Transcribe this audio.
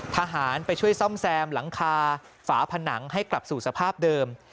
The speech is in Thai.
ทหารไปช่วยซ่อมแซมหลังคาฝาผนังให้กลับสู่สภาพเดิม